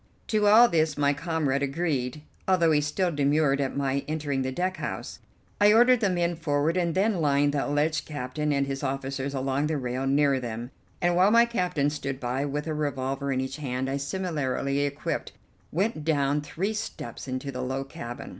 To all this my comrade agreed, although he still demurred at my entering the deck house. I ordered the men forward and then lined the alleged captain and his officers along the rail near them, and, while my captain stood by with a revolver in each hand, I, similarly equipped, went down three steps into the low cabin.